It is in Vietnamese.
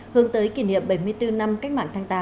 hướng tới kỷ niệm bảy mươi bốn năm cách mạng tháng tám